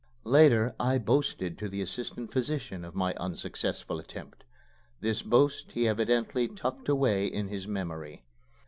Later I boasted to the assistant physician of my unsuccessful attempt. This boast he evidently tucked away in his memory.